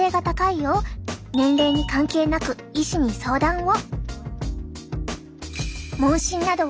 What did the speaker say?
年齢に関係なく医師に相談を。